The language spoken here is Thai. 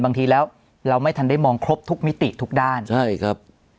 บางทีแล้วเราไม่ทันได้มองครบทุกมิติทุกด้านใช่ครับ